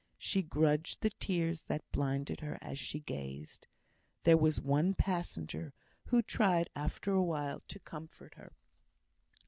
She grudged the tears that blinded her as she gazed. There was one passenger, who tried after a while to comfort her.